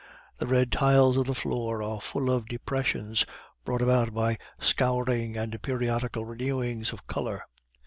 The red tiles of the floor are full of depressions brought about by scouring and periodical renewings of color.